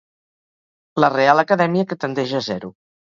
La Real Acadèmia que tendeix a zero.